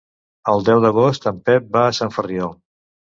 El deu d'agost en Pep va a Sant Ferriol.